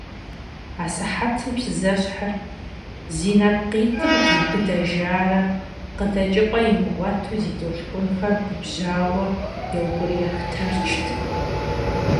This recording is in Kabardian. Асыхьэтым сызэщхьыр зи нэпкъитӀым дэубыдэжарэ, къыдэкӀыпӀэ имыгъуэту, зи толъкъунхэр губжьауэ еукӀуриех Тэрчт.